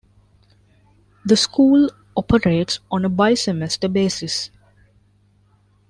The school operates on a bi-semester basis.